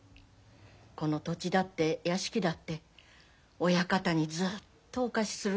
この土地だって屋敷だって親方にずっとお貸しするつもりでしたよ。